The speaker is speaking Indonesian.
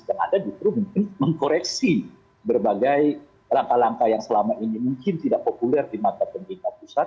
yang ada justru mungkin mengkoreksi berbagai langkah langkah yang selama ini mungkin tidak populer di mata pemerintah pusat